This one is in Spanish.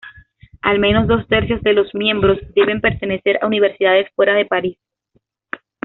Al menos dos tercios de los miembros deben pertenecer a universidades fuera de París.